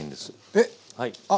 えっ？